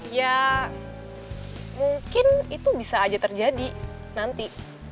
ya mungkin itu bisa aja terjadi nanti